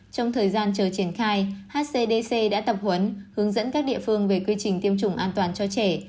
trong thời gian chờ triển khai hcdc đã tập huấn hướng dẫn các địa phương về quy trình tiêm chủng an toàn cho trẻ